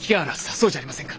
そうじゃありませんか？